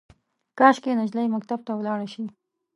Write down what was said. کاشکي، نجلۍ مکتب ته ولاړه شي